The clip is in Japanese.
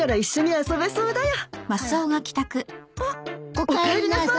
おかえりなさい。